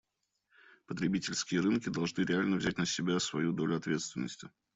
Потребительские рынки должны реально взять на себя свою долю ответственности.